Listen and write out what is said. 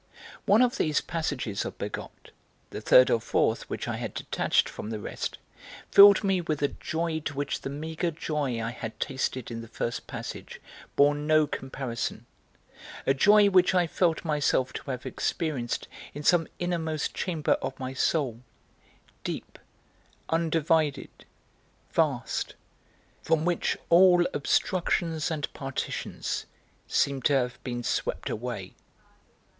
One of these passages of Bergotte, the third or fourth which I had detached from the rest, filled me with a joy to which the meagre joy I had tasted in the first passage bore no comparison, a joy which I felt myself to have experienced in some innermost chamber of my soul, deep, undivided, vast, from which all obstructions and partitions seemed to have been swept away.